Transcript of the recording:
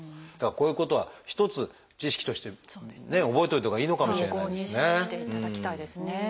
だからこういうことは一つ知識として覚えといたほうがいいのかもしれないですね。